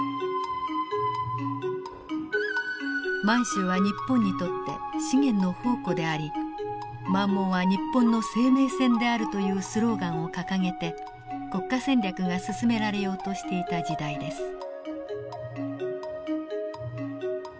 満州は日本にとって資源の宝庫であり「満蒙は日本の生命線である」というスローガンを掲げて国家戦略が進められようとしていた時代です。